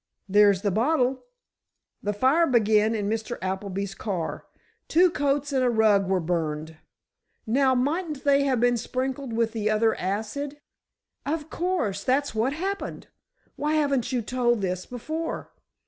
"There's the bottle. The fire began in Mr. Appleby's car. Two coats and a rug were burned—now, mightn't they have been sprinkled with the other acid——" "Of course that's what happened! Why haven't you told this before?"